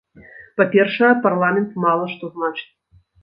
Па-першае, парламент мала што значыць.